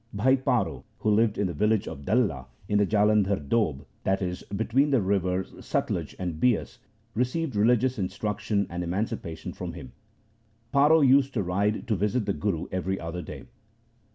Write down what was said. Bhai Paro, who lived in the village of Dalla in the Jalandhar Doab, that is, be tween the rivers Satluj and Bias, received religious instruction and emancipation from him. Paro used to ride to visit the Guru every other day.